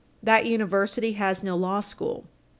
That University has no law school.